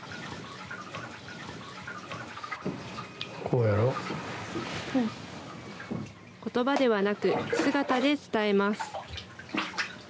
ことばではなく、姿で伝えます。